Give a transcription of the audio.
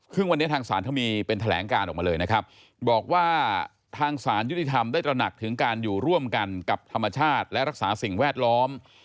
ซึ่งวันนี้ทางศาลเขามีเป็นแถลงการออกมาเลยนะครับบอกว่าทางศาลยุติธรรมได้ตระหนักถึงการอยู่ร่วมกันกับธรรมชาติและรักษาสิ่งแวดล้อม